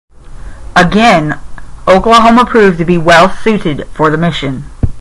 Again, Oklahoma proved to be well suited for the mission.